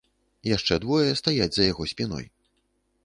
Яшчэ двое стаяць за яго спіной.